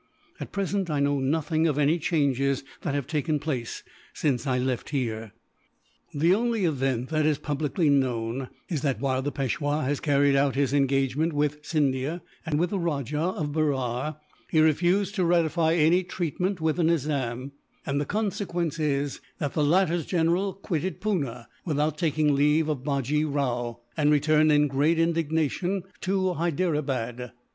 At present, I know nothing of any changes that have taken place, since I left here." "The only event that is publicly known is that, while the Peishwa has carried out his engagement with Scindia and with the Rajah of Berar, he refused to ratify any treaty with the Nizam; and the consequence is that the latter's general quitted Poona, without taking leave of Bajee Rao, and returned in great indignation to Hyderabad.